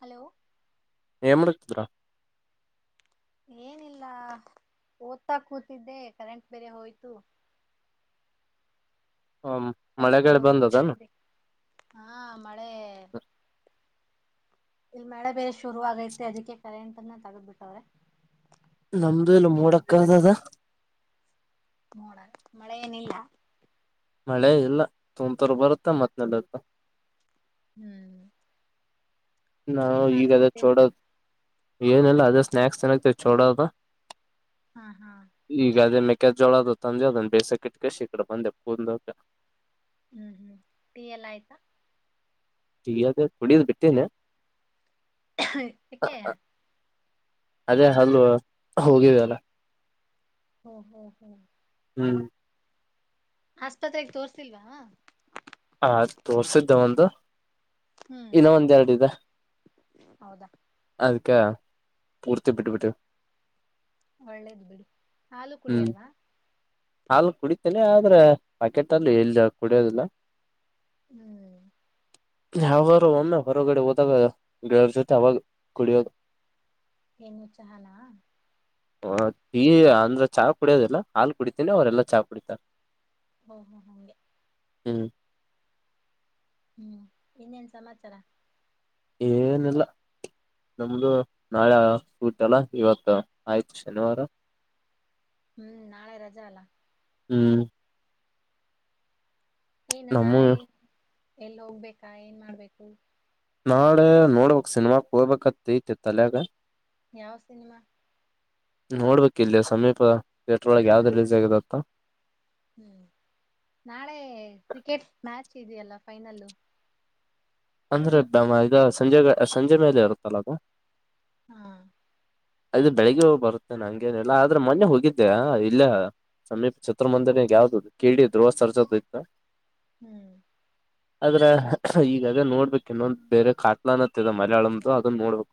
Hello ಏನ್ ಮಾಡತಿದ್ರಾ ಏನಿಲ್ಲ ಓದ್ತಾ ಕೂತಿದ್ದೆ ಕರೆಂಟ್ ಬೇರೆ ಹೋಯ್ತು ಹ ಕರೆಂಟ್ ಮಳೆಗಳು ಬರೋವರ್ಗೂ ಬಂದದ್ದ ಕಾಯ್ದೆ ಹಾ ಮಳೆ ಇಲ್ಲಿ ಮಳೆ ಬೇರೆ ಶುರು ಆಗೈತಿ ಅದಕ್ಕೆ ಕರೆಂಟ್ ಅನ್ನ ತೆಗೆದುಬಿಟ್ಟವ್ರೆ ನಮ್ದು ಇಲ್ಲಿ ಮೋಡಕವಿದದ್ದ ಮೋಡ ಮಳೆ ಏನಿಲ್ಲ ಮಳೆ ಇಲ್ಲ ತುಂತುರು ಬರುತ್ತೆ ಮತ್ತೆ ನೀಲುತ್ತೆ ಹ್ಮ್ ನಾವು ಏನ್ ಈಗ ಅದ ಮಾಡ್ತಿದ್ದೆ ಚೋಡದ ಏನಲ್ಲ ಅದೇ ಸ್ನಾಯಕ್ಸ್ ಚೋಡೋದ ಹಾ ಹಾ ಈಗ ಅದೇ ಮೆಕ್ಕ ಜೋಳ ತಂದು ಅದನ್ನ ಬೇಸಕ್ಕಿಟ್ಟ ಕಸಿಈ ಕಡೆ ಬಂದೆ ಹ್ಮ್ ಹ್ಮ ಟೀ ಎಲ್ಲ ಆಯ್ತಾ ಟೀ ಅದು ಕುಡಿಯೋದು ಬಿಟ್ಟೇಲ್ಲ ಯಾಕೆ ಅದೇ ಹಲ್ಲು ಹೋಗಿದೆ ಅಲ್ಲ ಓಹೋ ಓಹೋ ಓಹೋ ಹ್ಮ್ ಆಸ್ಪತ್ರೆಗೆ ತೋರಿಸಿಲ್ವ ಹ ತೋರ್ಸಿದ್ದೆ ಒಂದು ಹ್ಮ್ ಇನ್ನ ಒಂದು ಎರಡು ಇದೆ ಹೌದಾ ಅದಕ್ಕೆ ಪೂರ್ತಿ ಬಿಟ್ಟ ಬಿಟ್ಟುವಿ ಒಳ್ಳೇದು ಬಿಡಿ ಹಾಲು ಕುಡಿಯಾಲ್ವಾ ಹಾಲ್ ಕುಡಿತೇನೆ ಆದ್ರೆ ಪಾಕೆಟ್ ಅಲ್ಲಿ ಎಲ್ಲಿ ಕುಡಿಯೋದಿಲ್ಲ ಹ್ಮ್ ಯಾವಾರ ಒಮ್ಮೆ ಹೊರಗಡೆ ಹೋದಾಗ ಗೆಳರ್ ಜೊತೆ ಅವಾಗ ಕುಡಿಯೋದು ಏನು ಚಾಹನ ಹ ಅಂದ್ರೆ ಚಾ ಕುಡಿಯೋದಿಲ್ಲ ಹಾಲು ಕುಡಿತಿನಿ ಅವರೆಲ್ಲಾ ಚಾ ಕುಡಿತಾರೆ ಓ ಓ ಹಂಗೆ ಹ್ಮ್ ಹ್ಮ್ ಇನ್ನೇನ್ ಸಮಾಚಾರ ಏನೀಲ್ಲ ನಮ್ದು ನಾಳೆ ಊಟಲ್ಲ ಇವತ್ತು ಆಯ್ತು ಶನಿವಾರ [inaudible] ಹ್ಮ್ ನಾಳೆ ರಜೆ ಅಲ್ಲಾ ಹ್ಮ್ ಏನ್ ನಮ್ಮ ನಾಳೆ ಎಲ್ಲಿ ಹೋಗ್ಬೇಕಾ ಏನ್ ಮಾಡ್ಬೇಕು ನಾಳೆ ನೋಡಕ್ ಸಿನಿಮಾಗೆ ಹೋಗ್ಬೇಕು ಅಂತ ಐಯ್ತೆ ತಲೆಯಾಗ ಯಾವ ಸಿನಿಮಾ ನೋಡ್ಬೇಕು ಇಲ್ಲಿಯ ಸಮೀಪ ಟ್ರೆಂಟರ್ ಒಳ್ಳಗ ಯಾವ್ದ್ ರಲೀಸ್ ಆಗಿದೆ ಅಂತ ಹ್ಮ್ ನಾಳೆ ಕ್ರಿಕೆಟ್ ಮ್ಯಾಚ್ ಇದೆಯಲ್ಲ ಫೈನಲ್ ಅಂದ್ರೆ ಈಗ ಸಂಜೆ ಸಂಜೆ ಮೇಲೆ ಇರುತ್ತಲ್ಲ ಅದು ಹಾ ಅದು ಬೆಳಿಗ್ಗೆ ಹೋಗಿ ಬರುತ್ತೆ ನಂಗೇನೆಲ್ಲ ಆದ್ರೆ ಮೊನ್ನೆ ಹೋಗಿದ್ದೆ ಇಲ್ಲೇ ಸಮೀಪ ಚಿತ್ರಮಂದಿರಾಗ ಯಾವ್ದದು ಕೆ ಡಿ ದ್ರುವ ಸರ್ಜಾದು ಹ್ಮ್. ಅದ್ರ [unintelligible] ಈ ಅದೇ ನೋಡ್ಬೇಕು ಇನ್ನೊ ಬೇರೆ ಕಾಟ್ಲ ನಾ ಮಲಯಳಂದ ಅದನ್ನ ನೋಡ್ಬೇಕು.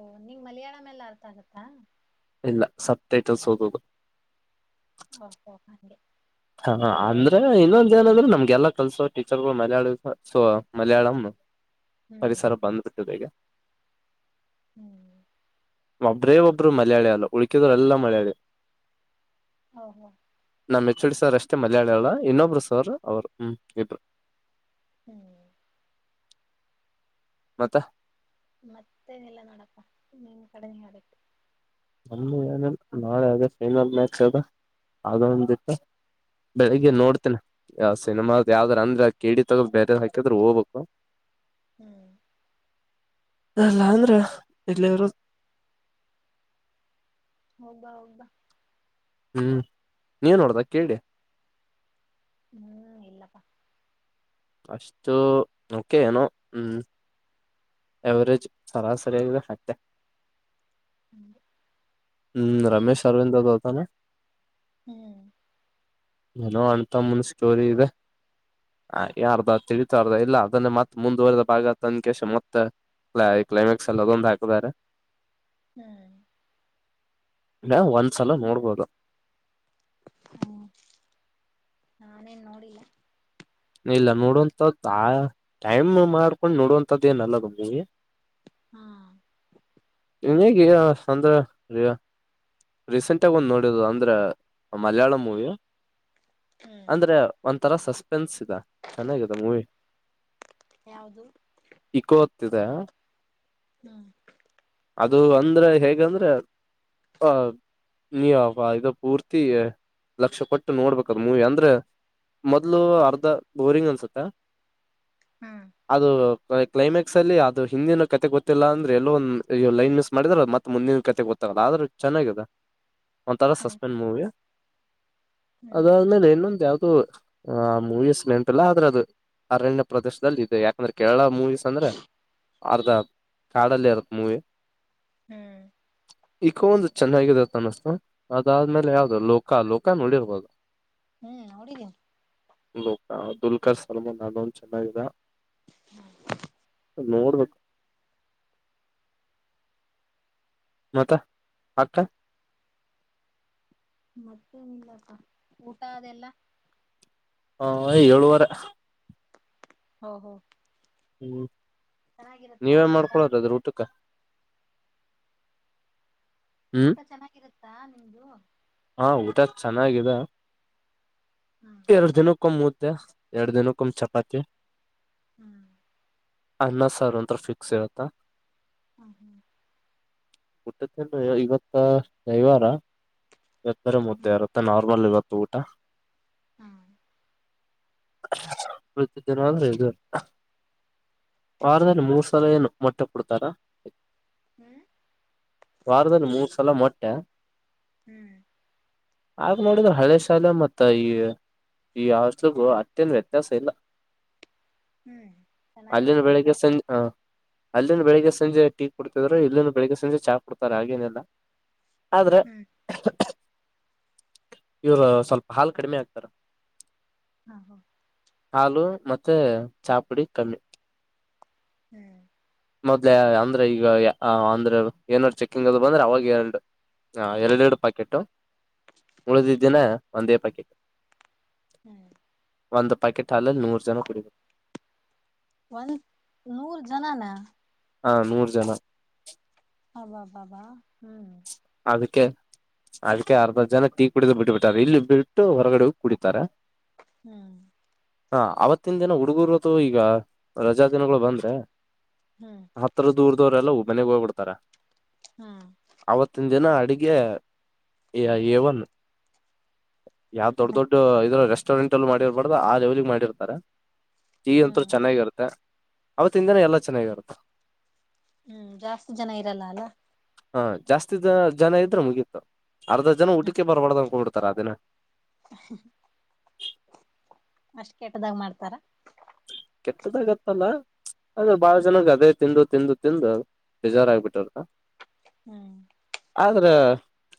ಓ ನಿಮ್ಮ ಮಲಯಾಳಮ ಎಲ್ಲ ಅರ್ಥ ಆಗತ್ತಾ. ಇಲ್ಲ ಸಬ್ ಟೈಟಲ್ಸ ಹೋಗಬೇಕು. [inaudible] ಹ ಅಂದ್ರೆ ಇನ್ನೊಂದ ಏನಂದ್ರೆ ನಮ್ಗೆಲ್ಲಾ ಕಲ್ಸೋ ಟೀಚರ್ಗಳು ಮಲಯಾಳ ಯೂಸ್ ಸೊ ಮಲಯಾಳಂ. ಹ್ಮ್ ಪರಿಸರ ಬಂದ್ಬಿಟ್ಟಿದೆ ಈಗ. ಹ್ಮ್ ಹ್ಮ್. ಒಬ್ಬ್ರೇ ಒಬ್ರು ಮಲಾಯಳಿ ಅಲ್ಲ ಉಳಕಿದ್ರೆಲ್ಲ ಮಲಯಳಿ. ಹೌದಾ ಹಾ. ನಮ್ಮ ಹೆಚ್ ಒ ಡಿ ಸರ್ ಅಷ್ಟೇ ಮಲಯಾಳಿಲಾ ಇನ್ನೊಬ್ರು ಸರ್ ಅವರು ಹ್ಮ್ ಇಬ್ರು. ಹ್ಮ್ ಹ್ಮ. ಮತ್ತ. ಮತ್ತೆನೀಲ್ಲ ನೋಡಪ ನಿಮ್ಮ ಕಡೆ ನಡದ. ನಮ್ಮ ಏನ ನಾಳೆ ಅದೇ ಫೈನಲ್ ಮ್ಯಾಚ್ ಅದ ಒಂದಿತ್ತು. ಬೆಳಿಗ್ಗೆ ಹ್ಮ್ ನೋಡ್ತನೆ ಆ ಸಿನಿಮಾದ ಯಾವ್ದಾರ ಅಂದ್ರೆ ಆ ಕೆಡಿ ತಗದ ಬೇರೆ ಹಾಕಿದ್ರರು ಹೋಗ್ಬೇಕು. ಹ್ಮ್. ಅಲ್ಲ ಅಂದ್ರ ಎಲ್ಲಿವರು. ಹೋಗಬಾ ಹೋಗಬಾ. ಹ್ಮ್ ನೀವ ನೋಡದ ಕೇಳಿ ಹ್ಮ್ ಇಲ್ಲಪ್ಪಾ ಅಷ್ಟು ಓಕೆ ಏನೋ ಹ್ಮ್ ಎವರೇಜ್ ಸರಾಸರಿಯ್ರೆ ಹತ್ತೆ ಹ್ಮ್ ಹ್ಮ್ ರಮೇಶ ಅರವಿಂದದುತ ಹ್ಮ್ ನನೋ ಅಣತಮ್ಮನ್ ಸ್ಟೋರಿ ಹ್ಮ್ ಇದೆರ್ಧ ತಿ ಇಲ್ಲ ಅದನ್ನೇ ಮತ್ತತ್ ಮುಂದುವರದ ಭಾಗ ತನಕ ಮತ್ತೆ ಕ್ಲೈಮ್ಯಾಕ್ಸ್ ಎಲ್ಲ ಅದೊಂದು ಹಾಕಾರೆ ಹ್ಮ್ ನಾವವು ಒಂದ್ಸಲ ನೋಡ್ಬೋದು ಹ್ಮ ನಾನೇನ್ ನೋಡಿಲ್ಲ ಇಲ್ಲ ನೋಡವಂಂತದ್ದ ಆ ಟೈಮ್ ಮಾಡ್ಕೊಂಡ್ ನೋಡುವಂತದ್ದ ಏನಲ್ಲ ಬಂದಿ ಹಾ ಇನ್ ಹೇಗ ಸಂದ್ರ ಅಯ ರೀಸೆಂಟ್ಗ ಒಂದ್ ನೋಡುದು ಅಂದ್ರೆ ಮಲಯಾಳ ಮೂವಿ ಹ್ಮ್ ಅಂದ್ರೆ ಒಂತರ ಸಸ್ಪೆನ್ಸ್ ಇದೆ ಚೆನ್ನಾಗಿದೆ ಮೂವಿ ಯಾವ್ದು ಇಕೋತ್ತಿದೆ ಹಾ ಅದು ಅಂದ್ರೆ ಹೇಗಂದ್ರೆ ಆ ನೀವ್ ಆ ಯಾ ಇದು ಪೂರ್ತಿ ಲಕ್ಷ ಪಟ್ಟು ನೋಡ್ಬೇಕದ ಮೂವಿ ಅಂದ್ರ ಮೊದ್ಲು ಅರ್ಧ ಬೋರಿಂಗ್ ಅನ್ಸುತ್ತ. ಹ್ಮ್ ಅದು ಕ್ಲೈಮ್ಯಾಕ್ಸ್ ಅಲ್ಲಿ ಅದು ಹಿಂದಿನ ಕತೆ ಗೊತ್ತಿಲ್ಲ ಅಂದ್ರೆ ಎಲ್ಲೋ ಒ ಲೈನ್ ಮಿಸ್ ಮಾಡಿದ್ರ ಮತ್ತ. ಮುಂದಿನ ಕತೆ ಗೊತ್ತಾಗಲ್ಲ ಆದ್ರೂ ಚೆನ್ನಾಗಾದ. ಒಂಥರ ಹ್ಮ್ ಸಸ್ಪೆಂಡ್ ಮೂವಿ ಹ್ಮ್ ಅದಾದ್ಮೇಲೆ ಇನ್ನೊಂದು ಯಾವ್ದು. ಆ ಮೂವೀಸ್ ನೆನ್ಪಿಲ್ಲಾ ಆದ್ರ ಅದು ಅರಣ್ಯ ಪ್ರದೇಶದಲ್ಲಿ ಇದೇ ಯಾಕಂದ್ರ ಕೇರಳ ಮೂವೀಸ್ ಅಂದ್ರ. ಅರ್ಧ ಕಾಡಲ್ಲಿ ಇರುತ್ತ ಮೂವಿ. ಹ್ಮ್. ಈಕೋ ಒಂದು ಚೆನ್ನಾಗಿದೆತ ಅನಿಸ್ತು ಅದಾದ್ಮೇಲೆ ಯಾವ್ದದು ಲೋಕ ಲೋಕ ನೋಡಿರ್ಬೋದು. ಹ್ಮ್ ಹಡುಗಿ. ಅಬ್ದುಲ್ಕಾ ಸಲ್ಮಾನ್ ಅದೊಂದು ಚೆನ್ನಾಗಿದೆ. ನೋಡ್ಬೇಕ. ಮತ್ತ ಅಕ್ಕ. ಮತ್ತೆನ್ಲಪ್ಪ ಊಟ ಅದೆಲ್ಲ. ಹ ಹೈ ಏಳುವರೆ. ಹ ಹ. ಹ್ಮ್ ನೀವೇನ್ ಊಟ ಮಾಡ್ಕೊಳದು ಅದ್ರ ಊಟಕ. ಹ್ಮ್ ಊಟ ಚೆನ್ನಾಗಿರುತ್ತಾ ನಿಮ್ದು. ಹಾ ಊಟ ಚೆನ್ನಾಗಿದೆ. ಹ್ಮ. ಎರಡ್ ದಿನಕ್ಕ ಒಂದು ಮುದ್ದೆ ಎರಡು ದಿನಕ್ಕ ಒಂದ ಚಪಾತಿ. ಹ್ಮ್. ಅನ್ನ ಸಾರ್ ಅಂತಾರೂ ಫಿಕ್ಸ್ ಇರತ್ತಾ. ಹ್ಮ ಹಾ. ಮುಟ್ಟತ್ತ ಇವತ್ತ ರವಿವಾರ. ಇವತ್ತ ಬೇರೆ ಮುದ್ದೆ ಇರುತ್ತೆ ನಾರ್ಮಲ್ ಇವತ್ತು ಊಟ. ಹಾ ಪ್ರತ ಜನ ಹಂದ್ರ ಇದು ವಾರದಲ್ಲಿ ಮೂರ್ ಸಲ ಏನು ಮೊಟ್ಟೆ ಕೊಡ್ತಾರಾ ಹ್ಮ್ ವಾರದಲ್ಲಿ ಮೂರ್ ಸಲ ಮೊಟ್ಟೆ ಹ್ಮ್ ಆ ನೋಡಿದ್ೆ ಹಳೆ ಶಾಲೆ ಮತ್ತ ಈ ಈ ಅವಷಲಿಗೂ ಅತ್ಯನ್ ವ್ಯತ್ಯಾಸ ಇಲ್ಲ ಹ್ಮ್ ಅಲ್ಲಿ ಚೆನ್ನಾಗಿರತ್ತಂತ ಬೆಳಗೆ ಸೆಂ ಆ ಅಲ್ಲಿಂದ ಬೆಳಗ್ಗೆ ಸಂಜೆ ಟೀ ಕೊಡ್ತಿದ್ರರು ಇಲ್ಲಿನ ಬೆಳಿಗ್ಗೆ ಸಂಜೆ ಚಾ ಕೊಡ್ತಾರ ಹಾಗೇನೆಲ್ಲ ಆದ್ರೆ ಹ್ಮ್ ಇವರು ಸ್ವಲ್ಪ ಹಾಲು ಕಡಿಮೆ ಆಗ್ತಾರ ಹಾ ಹ ಹಾಲು ಮತ್ತೆ ಚಾಪುಡಿ ಕಮ್ಮಿ ಹ್ಮ್ ಮೊದ್ಲೆ ಅಂದ್ರೆ ಈಗ ಅಂದ್ರೆ ಏನಾದ್ ಚೆಕ್ಕಿಂಗ್ ಅದು ಬಂದ್ರೆ ಅವಾಗ ಏಂಡು ಹಾ ಎರಡೆ ಎರಡು ಪ್ಯಾಕೆಟು ಮುಳಿದಿದ್ದಿನ ಒಂದೇ ಪ್ಯಾಕೆಟ್ ಹ್ಮ್ ಒಂದು ಪ್ಯಾಕೆಟ್ ಹಾಲಲ್ಲಿ ನೂ ಜನ ಕುಡಬೇಕು ಒಂದ ನೂರು ಜನಾನ ಹಾ ನೂರು ಜನ ಹಬ ಬಬ ಹ್ಮ್ ಅದಕ್ಕೆ ಅದಕ್ಕೆ ಅರ್ಧ ಜನ ಟೀ ಕುಡಿದ್ು ಬಿಟ್ಟುಬ ಬಿಟ್ಟತಾರೆ ಇಲ್ಲಿ ಬಿಟ್ಟು ಹೊರಗಡೆ ಹ ಕುಡಿತಾರೆ ಹ್ಮ್ ಹಾ ಆವತ್ತಿನ ದಿನ ಹುಡುಗೂರು ಅದು ಈಗ ರಜಾ ದಿನಗಳು ಬಂದ್ರೆ ಹ್ಮ್ ಹತ್ತತ್ರ ದೂರದವ್ರರೆಲ್ಲವು ಮನೆಗ್ ಹೋಗಿಡ್ತಾರೆ ಹ್ಮ್ ಆವತ್ತಿನ ದಿನ ಅಡಿಗೆ ವನ್ ಯಾವ ದೊಡ್ ದೊಡ್ಡ ಇದ್ರ ಎಸ್ಟೋರೆಂಟ್ ಅಲ್ಲಿ ಮಾಡಿರ್ಬಾರ್ದು ಆ ವಲಿಗೆ ಮಾಡಿರ್ತಾರೆ ಟೀ ಅಂತೂ ಹ್ಮ್ ಚೆನ್ನಾಗಿರುತ್ತೆ ಅವತ್ತಿನ ದಿನ ಎಲ್ಲ ಚೆನ್ನಾಗಿರುತ್ತಾ ಹ್ಮ್ ಜಾಸ್ತಿ ಜನ ಇರಲ್ಲ ಅಲ್ಲ ಹಾ ಜಾಸ್ತಿ ಜನ ಇದ್ರೆ ಮುಗೀತು ಅರ್ಧ ಜನ ಹ್ಮ್ ಊಟಕ್ಕೆ ಬರ್ಬಾರ್ದ ಅನ್ಕೊಂಡ್ ಬಿಿಡ್ತಾರ ಅದಿನ ಅಷ್ಟ್ ಕೆಟ್ಟದಾಗ ಮಾಡ್ತಾರ ಕೆಟ್ಟದಾಗತ್ತಲ್ಲ ಅದ್ರೆ ಬಾಳ ಜನ್ ಅದೇ ತಿಂದು ತಿಂದು ತಿಂದು ಬೇಜಾರ್ಾಗಬಿಟಾರ ಹ್ಮ್ ಆದ್ರ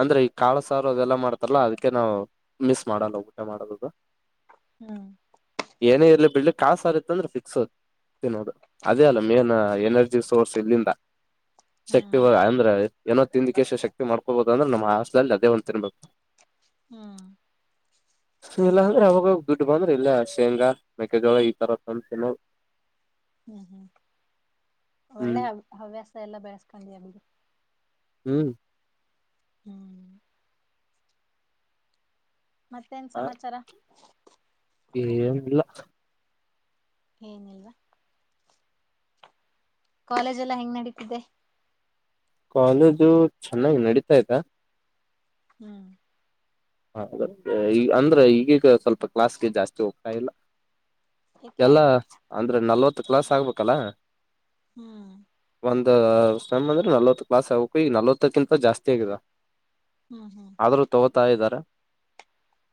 ಅಂದ್ರೆ ಈ ಕಾಳ ಸಾರು ಅದೆಲ್ಲ ಮಾಡ್ತಲ್ಲ ಅದಕ್ಕೆ ನಾವು ಮಿಸ್ ಮಾಡಲ್ಲ ಊಟೆ ಮಾಡದದು ಹ್ಮ್ ಏನೇ ಇರ್ಲಿ ಬಿಡ್ ಕಾಸ ಅಂದರೆ ಫಿಕ್ಸ್ ಅ ತಿನ್ನೋದು ಅದೇ ಅಲ್ಲ ಮೇನ್ ಎನರ್ಜಿ ಸೋರ್ಸ್ ಎಲ್ಲಿಂದ ಶಕ್ತಿ ಹ್ಮ್ ಅಂದ್ರೆ ಏನೋ ತಿಂದಕ್ಕೆಷ್ಟ ಶಕ್ತಿ ಮಾಡ್ಕೋಬೋದು ಅಂದ್ರೆ ನಮ್ಮ ಹಾಸ್ಟೆಲ್ ಅದೇ ಒಂದ್ ತಿನ್ಬೇಕು ಹ್ಮ ಇಲ್ಲ ಅಂದ್ರೆ ಅವಾಗಾಗ ದುಡ್ಡು ಬಂದ್ರ ಇಲ್ಲ ಶೇಂಗಾ ಮೆಕ್ಕೆಜೋಳ ಈ ತರ [unintelligible] ಹ್ಮ್ ಹ್ಮ್ ಹ್ಮ್ ಒಳ್ಳೆ ಹವ್ಯಾಸ ಎಲ್ಲ ಬೆಳೆಸ್ಕೊಂಡಿ ಅಮಗೆ ಹ್ಮ್ ಹ್ಮ್ ಮತ್ತೇನು ಸಮಾಚಾರ ಏನುಲ್ಲ ಏನಿಲ್ಲವಾ ಕಾಲೇಜ್ ಎಲ್ಲಾ ಹೆಂಗ್ ನಡೀತಿದೆ ಕಾಲೇಜು ಚೆನ್ನಾಗಿ ನಡೀತಾ ಇತ ಹ್ಮ್ ಹದ ಈ ಅಂದ್ರೆ ಈಗೀಗ ಸ್ವಲ್ಪ ಕ್ಲಾಸ್ಗೆ ಜಾಸ್ತಿ ಹೋಗ್ತಾ ಇಲ್ಲ ಏಕೆ ಎಲ್ಲ ಅಂದ್ರೆ ನಲ್ವತ್ತು ಕ್ಲಾಸ್ ಆಗ್ಬೇಕಲ್ಲ ಹ್ಮ್ ಒಂದ್ ಸಮ್ ಅಂದ್ರೆ ನಲ್ವತ್ತು ಕ್ಲಾಸ್ ಆಗಕು ಈಗ ನಲ್ವತ್ತಕ್ಕಿಂತ ಜಾಸ್ತಿ ಆಗಿದೆ ಹ್ಮ್ ಹ್ಮ್ ಆದ್ರೂ ತಗೋತಾ ಇದ್ದಾರೆ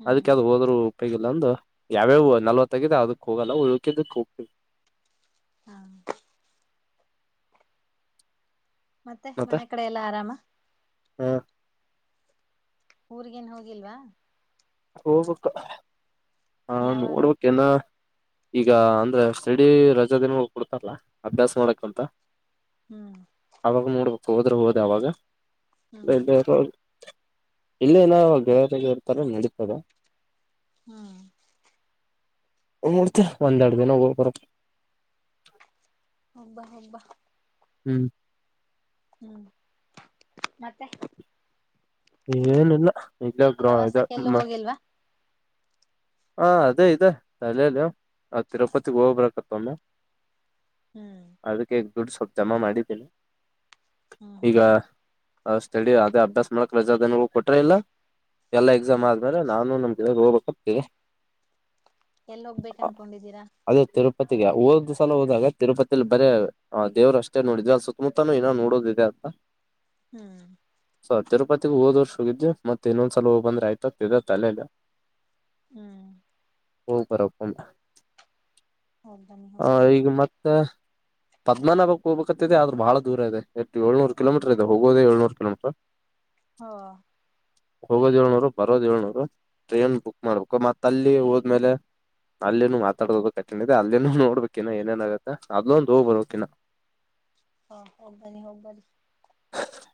ಹ್ಮ್ ಅದಕ್ಕೆವ ಹೋದ್ರು ಉಪಯೋಗಿಲ್ಲ ಅಂದು ಯಾವ್ಯಾವ ನಲ್ವತ್ತಗಿದೆ ಅದಕ್ ಹೋಗಲ್ಲ ಉಳ್ಕಿದಕ್ ಉ ಹ್ಮ ಮತ್ತೆ ಮನೆ ಕಡೆ ಎಲ್ಲಾ ಆರಾಮ ಹಾ ಊರ್ಗೇನ್ ಹೋಗಿಲ್ವಾ ಹೋಗ್ಬೇಕ ಹಾ ಯಾವಾಗ ನೋಡ್ಬೇಕೇನ ಈಗ ಅಂದ್ರೆ ಸ್ಡಿ ರಜಾ ದಿನ ಕೊಡ್ತಾರಲ್ಲ ಅಭ್ಯಾಸ ಮಾಡಕ್ಂತ ಹ್ಮ್ ಅವಾಗ ನೋಡ್ಬೇಕ ಹೋದ್ರೆ ಹೋದ ಅವಾಗ ಹ್ಮ್ ಇಲ್ಲೇನೋ ಗೆಳೆಯಾಗಿ ಇರ್ತಾರೆ ನಡೀತದೆ ಹ್ಮ್ ಮೂಡ್ತ ಒಂದ್ರಡು ದಿನ ಹೋಗ್ ಬರತ್ತ ಒಂಬ ಒಂಬ ಹ್ಮ್ ಹ್ಮ್ ಮತ್ತೆ ಏನಿಲ್ಲ ಇಲ್ಲ ಗ್ರ ಪ್ರವಾಸಕ್ಕೆಲ್ಲೂ ಇಮ್ಮ ಹೋಗಿಲ್ವಾ ಹ ಅದೇ ಇದೆ ತಲಲಿ ಆ ತಿರುಪತಿಗ್ ಹೋಗ್ಬೇಕತ್ತ ಒಮ್ಮ ಹ್ಮ್ ಅದಕ್ಕೆ ದುಡ್ ಸ್ವಲ್ಪ ಜಮಾ ಮಾಡಿದ್ದೇನೆ ಹ್ಮ್ ಈಗ ಹ್ಮ್ ಹ ಸ್ಟಡಿ ಅದೇ ಅಭ್ಯಾಸ ಮಾಡಕ್ ರಜಾನೂ ಕೊಟ್ರ ಇಲ್ಲ ಎಲ್ಲಾ ಎಕ್ಸಾಮ್ ಆದ್ಮೇರ ನಾನು ನಮ್ಗೆ ಹೋಗ್ಬೇಕಕ್ತಿ ಎಲ್ಲಿ ಹೋಗ್ಬೇಕು ಅನ್ಕೊಂಡಿದ್ದೀರಾ ಅದೇ ತಿರುಪತಿಗೆ ಓದ್ ಸಲ ಹೋದಾಗ ತಿರುಪತಿಲಿ ಬರೇ ಹ ದೇವ್ರು ಅಷ್ಟ ನೋಡಿದ್ರ ಅ ಸುತ್ತಲ ಏನೋ ನೋಡೋದಿದೆ ಅಂತ ಹ್ಮ್ ಸೊ ತಿರುಪತಿಗೆ ಹೋದ್ರ್ಷ ಹೋಗಿದ ಮತ್ತ ಇನ್ನೊಂದಸಲ ಹ ಬಂದ್ರೆಯತದ ತಲೆಲ್ಲ ಹ್ಮ್ ಹೋಗ್ ಬರಪ್ಪಮ್ಮೆ ಹೋಗ್ಬನ್ನಿ ಆ ಹೋಗ್ಬನ್ನಿ ಈಗ ಮತ್ತೆ ಪದ್ಮನಾಭಕ್ ಹೋಗಬೇಕತ್ತದೆ ಆದ್ರ ಬಹಳೂರ ಇದೆ ಎ ಏಳ್ನೂರು ಕಿಮೀಟರ್ ಇದೆ ಹೋಗದ ಏಳ್ನೂರು ಕಿಮೀಟರ್ ಹಾ ಹೋಗೋದ ಹೇಳನೋರು ಬರೋದ ಹೇಳನೋರು ಟ್ರೈನ್ ಬುಕ್ ಮಾಡ್ಬೇಕು ಮತ್ತ ಅಲ್ಲಿ ಹೋದ್ಮೇಲೆ ಅಲ್ಲಿೇನನು ಹ್ಮ್ ಮಾತಾಡೋದು ಕಠಿಣ ಇದೆ ಅಲ್ಲಿೇನು ನೋಡ್ಬೇಕ ಇಾ ಏನೇನ ಆಾಗತ್ತೆ ಅದ್ೊಂದು ಹೋಗ್ ಬರಬೇಕಕಿಾ ಹಾ ಹೋಗ್ಬನ್ನಿ ಹೋಗ್ಬನ್ನಿ..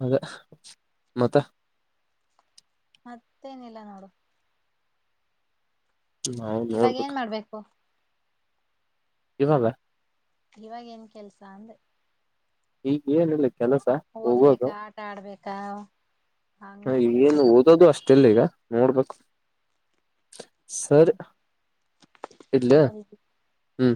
ಅದೇ ಮತ್ತ.. ಮತ್ತೇನಿಲ್ಲ ನೋಡು. ನಾವು ಇವಾಗ ನೋಡ್ಬೇಕು ಏನ್ ಮಾಡ್ಬೇಕು. ಇವಾಗ. ಇವಾಗ ಏನ್ ಕೆಲ್ಸ ಅಂದ್ರೆ. ಈಗ ಏನಿಲ್ಲ ಕೆಲಸ ಹೋಗೋದು ಓದ್ಬೇಕಾ ಆಟ ಆಡ್ಬೇಕಾ.. ಹ ಹಂಗ ಏನು ಕೇಳ್ತಿರ ಓದೋದು ಅಷ್ಟೆಲ್ಲ ಈಗ.. ನೋಡ್ಬೇಕು ಸರ್ ಇಡ್ಲ. ಹ್ಮ್.